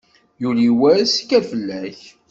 Yuli wass, kker fell-ak!